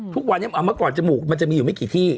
ทุกวันนี้เมื่อก่อนจมูกมันจะมีอยู่ไม่กี่ที่